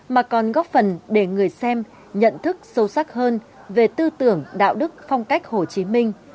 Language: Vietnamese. mà còn góp phần để người xem nhận thức sâu sắc hơn về tư tưởng đạo đức phong cách hồ chí minh